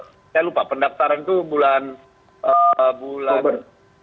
saya lupa pendaftaran itu bulan